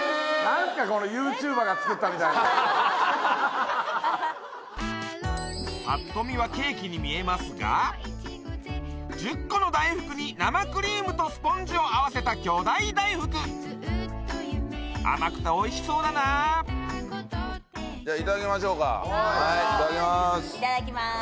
なんすかこのパッと見はケーキに見えますが１０個の大福に生クリームとスポンジを合わせた巨大大福甘くて美味しそうだなはいいただきますいただきます